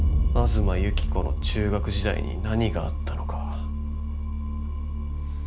東幸子の中学時代に何があったのか。